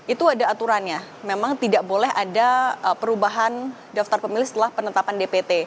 itu ada aturannya memang tidak boleh ada perubahan daftar pemilih setelah penetapan dpt